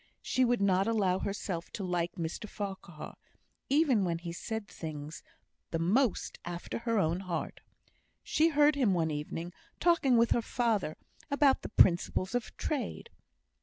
She would not allow herself to like Mr Farquhar, even when he said things the most after her own heart. She heard him, one evening, talking with her father about the principles of trade.